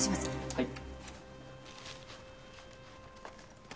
はい。